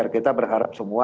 kita berharap semua